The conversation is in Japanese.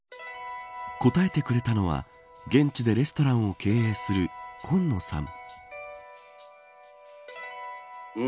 答えてくれたのは現地でレストランを経営する今野さん。